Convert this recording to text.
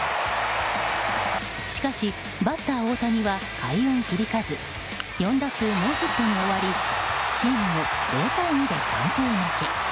しかし、バッター大谷は快音響かず４打数ノーヒットに終わりチームも０対２で完封負け。